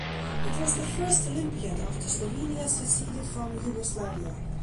It was the first Olympiad after Slovenia seceded from Yugoslavia.